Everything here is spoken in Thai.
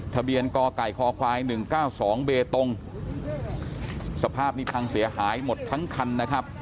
กไก่คควาย๑๙๒เบตงสภาพนี้พังเสียหายหมดทั้งคันนะครับ